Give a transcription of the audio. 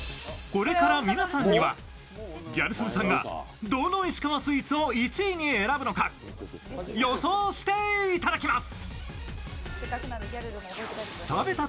これから皆さんにはギャル曽根さんがどのスイーツを１位に選ぶのか予想していただきます。